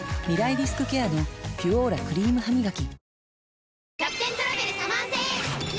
リスクケアの「ピュオーラ」クリームハミガキ